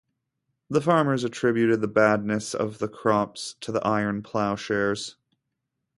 The farmers attributed the badness of the crops to the iron ploughshares.